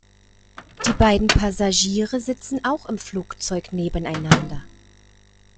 Die beiden Passagiere sitzen auch im Flugzeug nebeneinander.